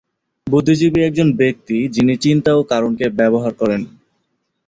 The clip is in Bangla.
বুদ্ধিজীবী একজন ব্যক্তি, যিনি চিন্তা ও কারণকে ব্যবহার করেন।